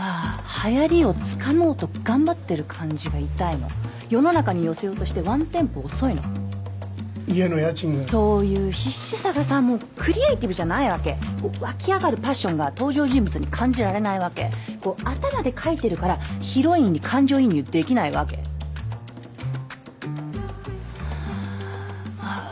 はやりをつかもうと頑張ってる感じが痛いの世の中に寄せようとしてワンテンポ遅いの家の家賃がそういう必死さがさもうクリエーティブじゃないわけ湧き上がるパッションが登場人物に感じられないわけ頭で描いてるからヒロインに感情移入できないわけああー